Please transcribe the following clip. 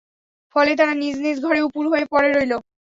ফলে তারা নিজ নিজ ঘরে উপুড় হয়ে পড়ে রইল।